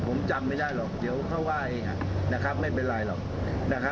ผมจำไม่ได้หรอกเดี๋ยวเขาไหว้นะครับไม่เป็นไรหรอก